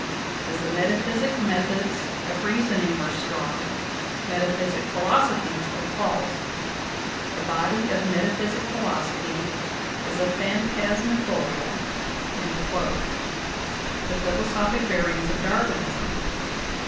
... As the metaphysic methods of reasoning were wrong, metaphysic philosophies were false; the body of metaphysic philosophy is a phantasmagoria" (The Philosophic Bearings of Darwinism, p.